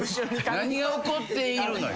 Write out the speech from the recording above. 何が起こっているのよ？